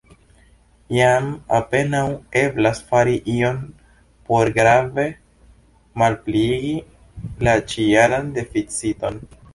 Jam apenaŭ eblas fari ion por grave malpliigi la ĉi-jaran deficiton.